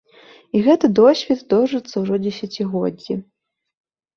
І гэты досвед доўжыцца ўжо дзесяцігоддзі.